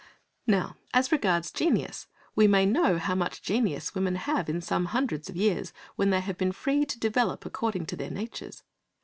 Now, as regards genius, we may know how much genius women have in some hundreds of years, when they have been free to develop according to their natures.